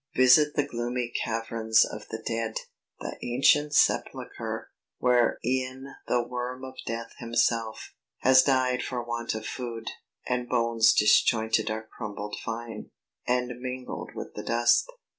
Visit the gloomy caverns of the dead, The ancient sepulchre, where e'en the worm Of death himself, has died for want of food, And bones disjointed are crumbled fine, and Mingled with the dust.